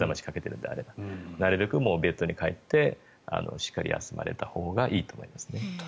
なるべくベッドに帰ってしっかり休まれたほうがいいと思います。